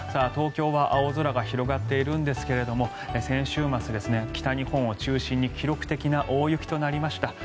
東京は青空が広がっているんですが先週末、北日本を中心に記録的な大雪となりました。